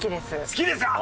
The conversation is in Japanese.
好きですか？